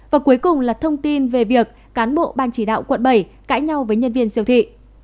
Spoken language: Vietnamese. và cuối cùng là thông tin về việc cán bộ ban chỉ đạo quận bảy cãi nhau với nhân viên siêu thị